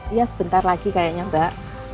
iya sebentar lagi kayaknya mbak